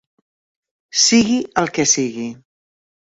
Sigui el que sigui.